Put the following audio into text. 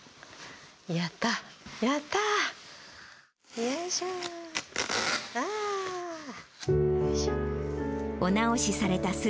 やった、やったー！